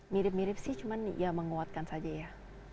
mirip mirip sih cuman ya menguatkan saja ya